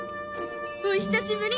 お久しぶり！